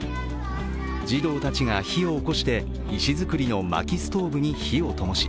児童たちが火をおこして石造りのまきストーブに火をともし